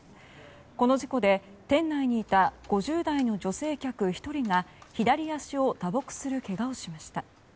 この事故で店内にいた５０代の女性客１人が左足を打撲するけがをしました。